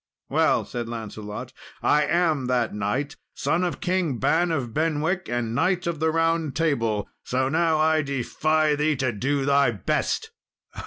"Well," said Lancelot, "I am that knight, son of King Ban of Benwick, and Knight of the Round Table; so now I defy thee to do thy best!"